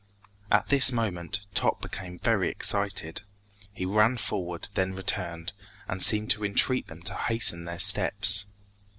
At this moment, Top became very excited. He ran forward, then returned, and seemed to entreat them to hasten their steps.